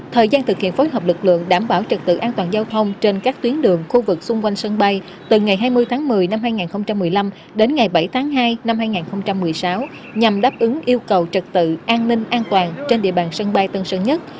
thời gian thực hiện phối hợp lực lượng đảm bảo trật tự an toàn giao thông trên các tuyến đường khu vực xung quanh sân bay từ ngày hai mươi tháng một mươi năm hai nghìn một mươi năm đến ngày bảy tháng hai năm hai nghìn một mươi sáu nhằm đáp ứng yêu cầu trật tự an ninh an toàn trên địa bàn sân bay tân sơn nhất